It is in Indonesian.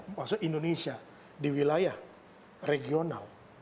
maksudnya indonesia di wilayah regional